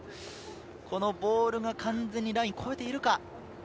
このボールは完全にラインを越えているか？